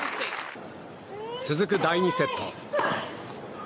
続く第２セット。